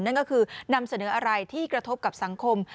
นั่นก็คือนำเสนออะไรที่กระทบกับสังคม